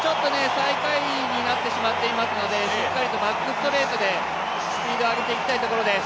最下位になってしまっていますのでしっかりとバックストレートでスピード上げていきたいところです。